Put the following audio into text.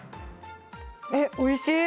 えっおいしい。